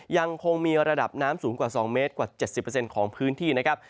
ยังคงมีระดับน้ำสูงกว่า๒เมตรกว่า๗๐ของพื้นที่นะครับ